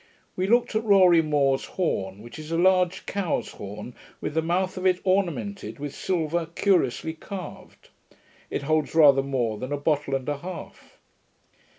We looked at Rorie More's horn, which is a large cow's horn, with the mouth of it ornamented with silver curiously carved. It holds rather more than a bottle and a half.